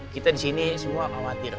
kita disini semua khawatir